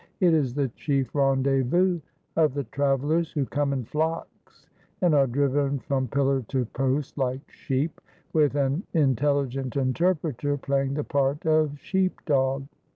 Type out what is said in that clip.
It is the chief rendezvous of the travellers who come in flocks, and are driven from pillar to post like sheep, with an intelligent interpreter playing the part of sheep dog.